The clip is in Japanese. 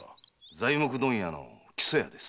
材木問屋の木曽屋です。